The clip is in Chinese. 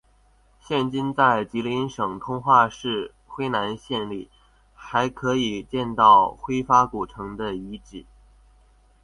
现今在吉林省通化市辉南县里还可以见到辉发古城的遗址。